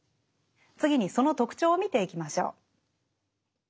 次にその特徴を見ていきましょう。